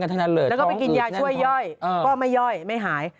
แล้วก็ไปกินยาช่วยย่อยก็ไม่ย่อยไม่หาย